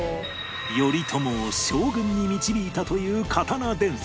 頼朝を将軍に導いたという刀伝説